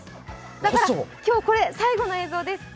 だから今日、これ最後の映像です。